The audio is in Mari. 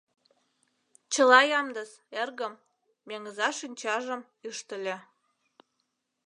— Чыла ямдыс, эргым, — Меҥыза шинчажым ӱштыльӧ.